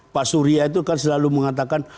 pak surya itu kan selalu mengatakan